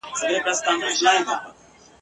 ښځي د کښت او کروندې راز موندلی وو